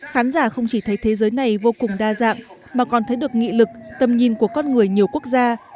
khán giả không chỉ thấy thế giới này vô cùng đa dạng mà còn thấy được nghị lực tầm nhìn của con người nhiều quốc gia